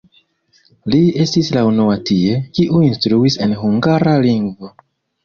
Li estis la unua tie, kiu instruis en hungara lingvo.